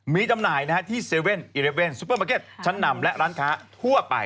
มีจำหน่ายที่๗๑๑ซุปเปอร์มาร์เก็ตชั้นนำและร้านค้าทั่วไป